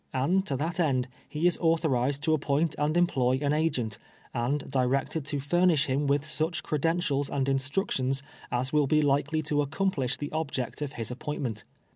And to that end, he is authorized to ap})oint and employ an agent, and directed to fur nish ]um with such credentials and instructions as will be likely to accomplish the object of his appointment.